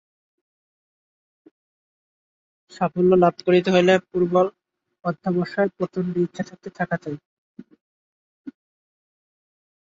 সাফল্য লাভ করিতে হইলে প্রবল অধ্যবসায়, প্রচণ্ড ইচ্ছাশক্তি থাকা চাই।